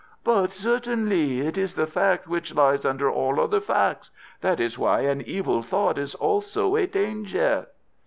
"But certainly. It is the fact which lies under all other facts. That is why an evil thought is also a danger."